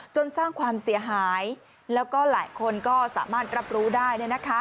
สร้างความเสียหายแล้วก็หลายคนก็สามารถรับรู้ได้